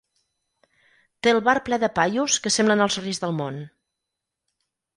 Té el bar ple de paios que semblen els reis del món.